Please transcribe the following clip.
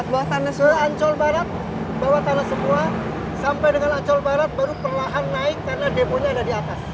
bawah tanah ancol barat bawah tanah semua sampai dengan ancol barat baru perlahan naik karena demonya ada di atas